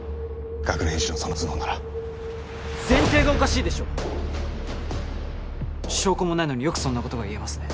学年一のその頭脳なら前提がおかしいでしょう証拠もないのによくそんなことが言えますね